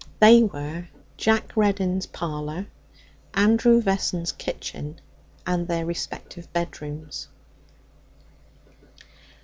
They were Jack Reddin's parlour, Andrew Vessons' kitchen, and their respective bedrooms.